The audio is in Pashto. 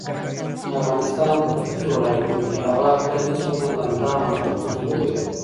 د افغانستان په ختیځو ولایتونو کې هوا تل نسبتاً لنده او مرطوبه وي.